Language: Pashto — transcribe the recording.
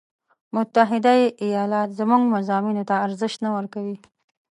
متحده ایالات زموږ مضامینو ته ارزش نه ورکوي.